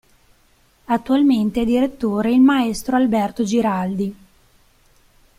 Attualmente è direttore il M° Alberto Giraldi.